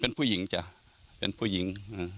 เป็นผู้หญิงจ้ะเป็นผู้หญิง